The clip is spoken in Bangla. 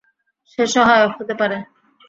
সে সহায়ক হতে পারে।